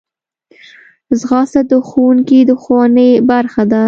ځغاسته د ښوونکي د ښوونې برخه ده